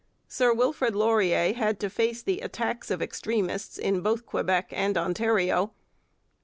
Sir Wilfrid Laurier had to face the attacks of extremists in both Quebec and Ontario.